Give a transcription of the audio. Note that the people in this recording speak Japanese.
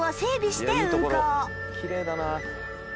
きれいだな。